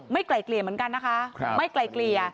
ไกลเกลี่ยเหมือนกันนะคะไม่ไกลเกลี่ย